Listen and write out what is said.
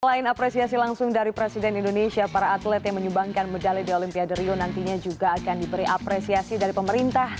selain apresiasi langsung dari presiden indonesia para atlet yang menyumbangkan medali di olimpiade rio nantinya juga akan diberi apresiasi dari pemerintah